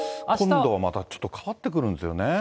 今度はまたちょっと変わってくるんですよね。